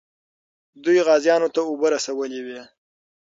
دوی غازیانو ته اوبه رسولې وې.